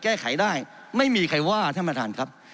แก้ไขได้ไม่มีใครว่าท่านประธานครับ